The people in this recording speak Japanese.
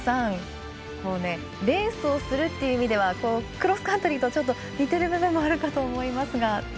レースをするっていう意味ではクロスカントリーと似てる部分もあるかと思いますが。